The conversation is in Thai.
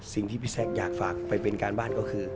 สิ่งที่พี่แซคอยากฝากไปเป็นการบ้านก็คือ